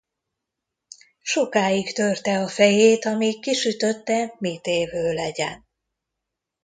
Sokáig törte a fejét, amíg kisütötte, mitévő legyen.